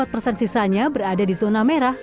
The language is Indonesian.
sembilan puluh empat persen sisanya berada di zona merah